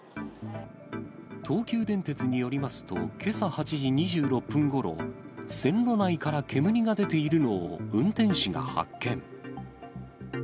東急電鉄によりますと、けさ８時２６分ごろ、線路内から煙が出ているのを、運転士が発見。